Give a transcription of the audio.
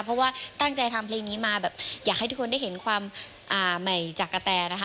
เพราะว่าตั้งใจทำเพลงนี้มาแบบอยากให้ทุกคนได้เห็นความใหม่จากกะแตนะคะ